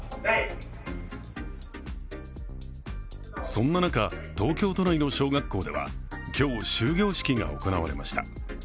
そんな中、東京都内の小学校では今日、終業式が行われました。